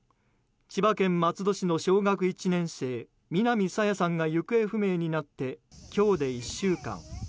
千葉県松戸市の小学１年生南朝芽さんが行方不明になって今日で１週間。